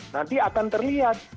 nanti akan terlihat